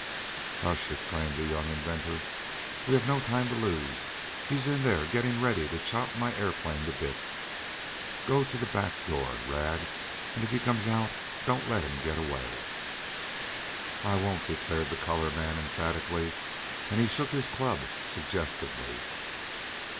"Hush!" exclaimed the young inventor. "We have no time to lose! He's in there, getting ready to chop my aeroplane to bits! Go to the back door, Rad, and if he tries to come out don't let him get away." "I won't!" declared the colored man emphatically, and he shook his club suggestively.